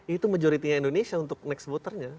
itu majoritinya indonesia untuk next voternya